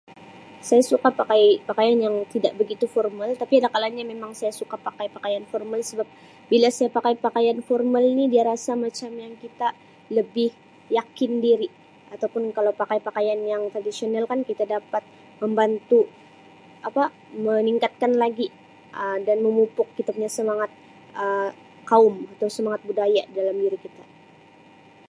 Saya suka pakai pakaian yang tidak begitu formal tapi ada kalanya memang saya suka pakai pakaian formal sebab bila saya pakai pakaian formal ni dia rasa macam yang kita lebih yakin diri atau pun kalau pakai pakaian yang tradisional kan kita dapat membantu apa meningkatkan lagi Um dan memupuk Um kita punya semangat Um kaum atau semangat budaya dalam diri kita.